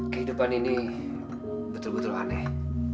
kehidupan ini betul betul aneh